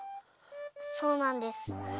そうなんです。